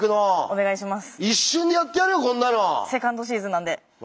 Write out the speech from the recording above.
お願いします。